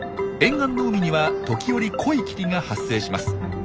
沿岸の海には時折濃い霧が発生します。